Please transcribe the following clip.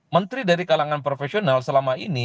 menteri dari kalangan profesional selama ini